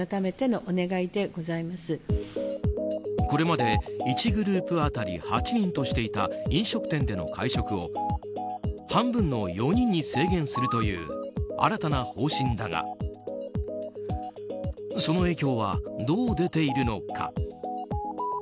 これまで１グループ当たり８人としていた飲食店での会食を半分の４人に制限するという新たな方針だがその影響はどう出ているのか？